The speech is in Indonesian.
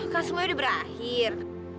kau semua udah berakhir